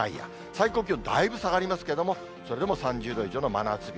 最高気温、だいぶ下がりますけれども、それでも３０度以上の真夏日。